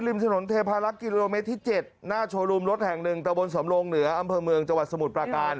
ริมถนนเทพารักษ์กิโลเมตรที่๗หน้าโชว์รูมรถแห่งหนึ่งตะบนสำรงเหนืออำเภอเมืองจังหวัดสมุทรปราการ